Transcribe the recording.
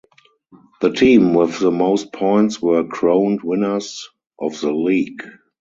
The team with the most points were crowned winners of the league.